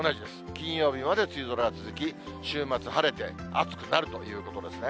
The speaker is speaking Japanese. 金曜日まで梅雨空が続き、週末晴れて暑くなるということですね。